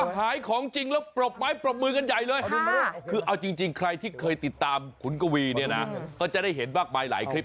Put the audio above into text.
หลายเรื่องก็เจอกันว่าไล่ผีแขนว่าง่ายครับ